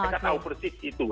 mereka tahu persis itu